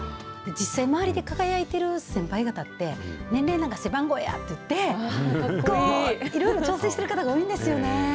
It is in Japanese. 実際、周りで輝いている先輩って、年齢なんか背番号やって言って、いろいろ挑戦している方が多いんですよね。